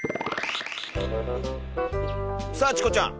さあチコちゃん。